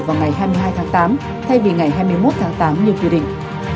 vào ngày hai mươi hai tháng tám thay vì ngày hai mươi một tháng tám như quy định